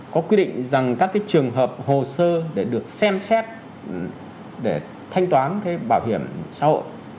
có quy định rằng các trường hợp hồ sơ để được xem xét để thanh toán bảo hiểm xã hội